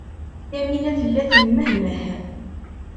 Yamina tella temmehmeh.